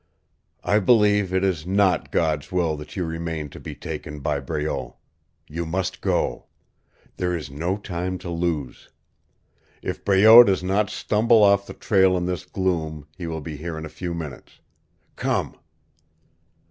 "I believe it is not God's will that you remain to be taken by Breault. You must go. There is no time to lose. If Breault does not stumble off the trail in this gloom he will be here in a few minutes. Come."